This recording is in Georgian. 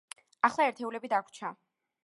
ახლა ერთეულები დაგვრჩა.